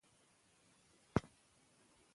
د سېرټونین کمښت د تاوتریخوالي چلند ډېروي.